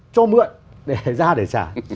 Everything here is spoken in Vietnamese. cho mượn ra để trả